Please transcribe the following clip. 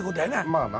まあな。